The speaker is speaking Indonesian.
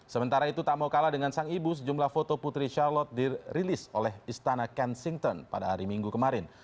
sementara itu tak mau kalah dengan sang ibu sejumlah foto putri charlot dirilis oleh istana kensington pada hari minggu kemarin